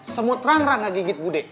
semut rang rang nggak gigit bu deh